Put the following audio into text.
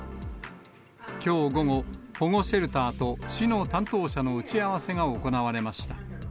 きょう午後、保護シェルターと市の担当者の打ち合わせが行われました。